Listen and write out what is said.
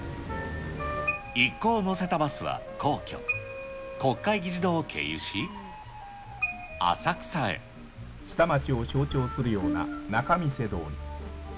一行を乗せたバスは皇居、国会議事堂を経由し、下町を象徴するような仲見世通り。